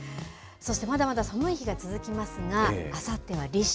そして、まだまだ寒い日が続きますが、あさっては立春。